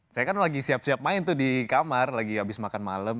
saya kan lagi siap siap main tuh di kamar lagi habis makan malam